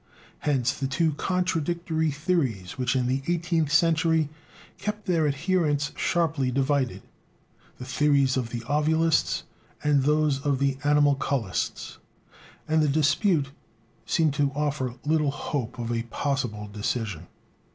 Hence the two contradictory theories which in the eighteenth century kept their adherents sharply divided, the theories of the ovulists and those of the animalculists, and the dispute seemed to offer little hope of a possible decision.